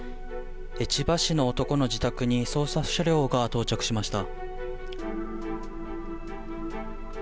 千葉市の男の自宅に捜査車両が到着しました。